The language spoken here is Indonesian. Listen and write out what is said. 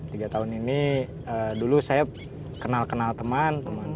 tiga tahun ini dulu saya kenal kenal teman